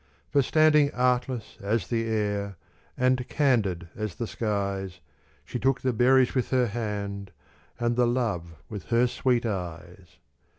For standing artless as the air, And candid as the skies, She took the berries with her hand, And the love with her sweet eyes.